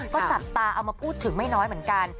ก็จับตาเอามาพูดถึงไม่น้อยเหมือนกัน